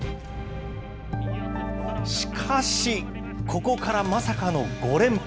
しかし、ここからまさかの５連敗。